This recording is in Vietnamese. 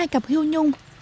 hai cặp hưu nhung